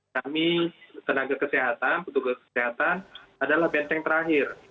kami tenaga kesehatan petugas kesehatan adalah benteng terakhir